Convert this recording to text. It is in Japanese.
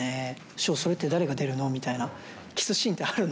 紫耀、それって誰が出るのとか、キスシーンってあるの？